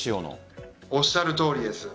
おっしゃる通りです。